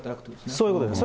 そういうことです。